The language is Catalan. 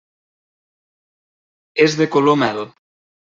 És de color mel.